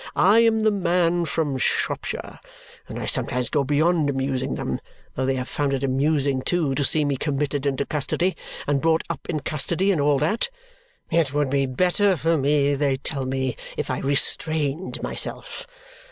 I am the man from Shropshire, and I sometimes go beyond amusing them, though they have found it amusing, too, to see me committed into custody and brought up in custody and all that. It would be better for me, they tell me, if I restrained myself.